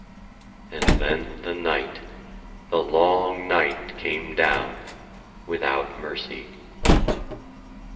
And then the night, the long night came down, without mercy.